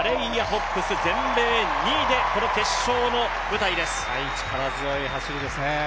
ホッブス、全米２位でこの決勝の舞台です。